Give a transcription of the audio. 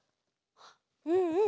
うんうん。